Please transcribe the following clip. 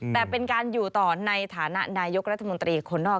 แต่เป็นการอยู่ต่อในฐานะนายกรัฐมนตรีคนนอก